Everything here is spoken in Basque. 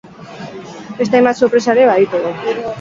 Beste hainbat sorpresa ere baditugu!